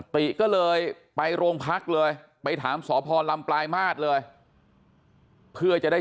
ติก็เลยไปโรงพักเลยไปถามสพลำปลายมาตรเลยเพื่อจะได้